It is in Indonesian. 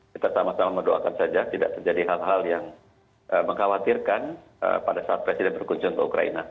kita sama sama mendoakan saja tidak terjadi hal hal yang mengkhawatirkan pada saat presiden berkunjung ke ukraina